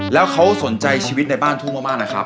แล้วเขาสนใจชีวิตในบ้านทุ่งมากนะครับ